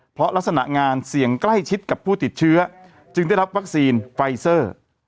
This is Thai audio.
เพราะลักษณะงานเสี่ยงใกล้ชิดกับผู้ติดเชื้อจึงได้รับวัคซีนไฟเซอร์